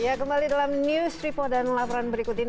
ya kembali dalam news report dan laporan berikut ini